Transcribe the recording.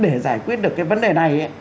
việc giải quyết được cái vấn đề này